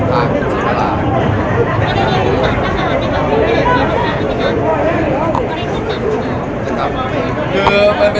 มุมการก็แจ้งแล้วเข้ากลับมานะครับ